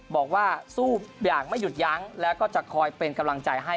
บอกว่าสู้อย่างไม่หยุดยั้งแล้วก็จะคอยเป็นกำลังใจให้